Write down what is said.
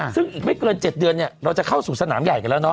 ซึ่งอีกไม่เกิน๗เดือนเนี่ยเราจะเข้าสู่สนามใหญ่กันแล้วเน